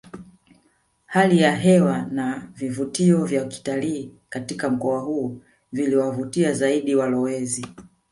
Hali ya hewa na vivutio vya kitalii katika mkoa huu viliwavutia zaidi walowezi